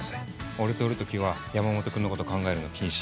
俺といる時は山本君のこと考えるの禁止。